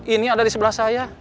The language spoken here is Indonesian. ini ada di sebelah saya